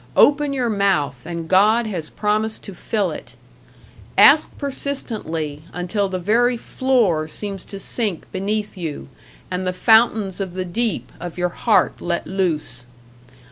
Open your mouth and God has promised to fill it. Ask persistently until the very floor seems to sink beneath you and the fountains of the deep, of your heart let loose.